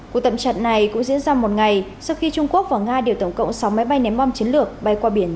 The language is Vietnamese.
cuộc tập trận này cũng diễn ra một ngày sau khi trung quốc và nga điều tổng cộng sáu máy bay ném bom chiến lược bay qua biển